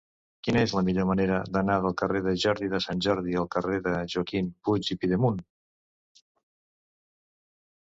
Quina és la millor manera d'anar del carrer de Jordi de Sant Jordi al carrer de Joaquim Puig i Pidemunt?